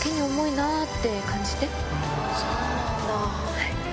はい。